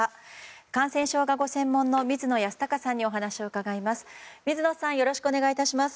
感染症がご専門の水野泰孝さんにお話を伺います。